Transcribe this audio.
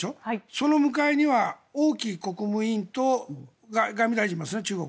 その向かいには王毅国務委員と外務大臣がいますね。